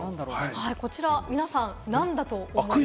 皆さん、何だと思いますか？